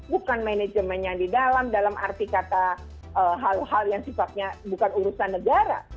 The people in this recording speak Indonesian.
bukan manajemen yang di dalam dalam arti kata hal hal yang sifatnya bukan urusan negara